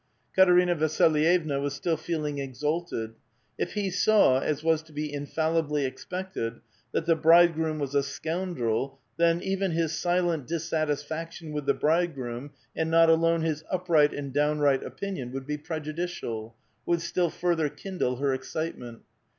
Katerina Vasilyevna was still feeling exalted ; if he saw, as was to be infallibly expected, that the *' bridegroom " was a scoundrel, then, even his silent dissatisfaction with the " bridegroom," and not alone his upright and downright opinion, would be prejudicial ; would still further kindle her excitement.